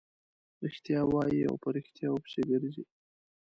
رښتیا وايي او په ريښتیاوو پسې ګرځي.